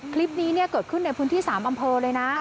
คลิปนี้เกิดขึ้นในพื้นที่๓อำเภอเลยนะ